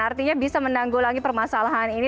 artinya bisa menanggulangi permasalahan ini